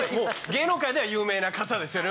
芸能界では有名な方ですよね